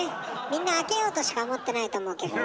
みんな「開けよう」としか思ってないと思うけどね。